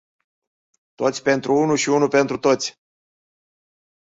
Toți pentru unul și unul pentru toți.